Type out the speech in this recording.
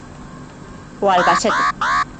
O Albacete.